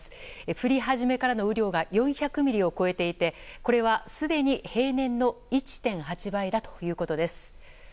降り始めからの雨量が４００ミリを超えていてこれはすでに平年の１．８倍だということです。